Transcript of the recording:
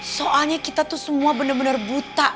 soalnya kita tuh semua bener bener buta